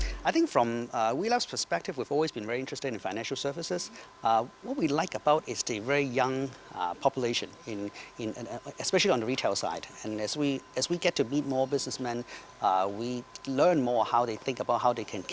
saya pikir dari perspektif welab kita selalu sangat menarik di perusahaan finansial